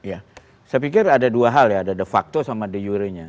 ya saya pikir ada dua hal ya ada de facto sama de jure nya